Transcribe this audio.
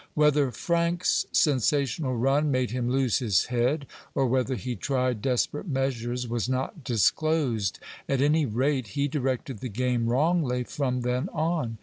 Whether Frank's sensational run made him lose his head, or whether he tried desperate measures, was not disclosed. At any rate, he directed the game wrongly from then on.